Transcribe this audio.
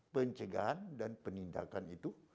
pencegahan dan penindakan itu